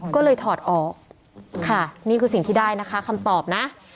ก็เลยถอดออกค่ะนี่คือสิ่งที่ได้นะคะคำตอบนะ